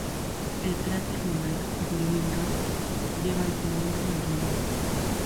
El cráter lunar Birmingham lleva este nombre en su honor.